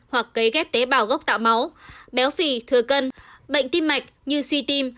hoặc kế ghép tế bào gốc tạo máu béo phỉ thừa cân bệnh tim mạch như suy tim